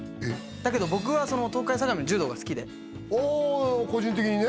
だけど僕は東海相模の柔道が好きでああ個人的にね？